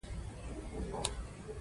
افغانستان د هندوکش له مخې پېژندل کېږي.